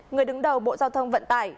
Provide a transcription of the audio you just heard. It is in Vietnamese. người đứng đầu bộ giao thông vận tải